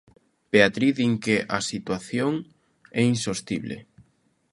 Beatriz, din que a situación é insostible...